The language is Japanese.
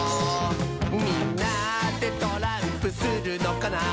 「みんなでトランプするのかな？」